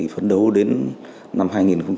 phấn đấu đến năm hai nghìn hai mươi năm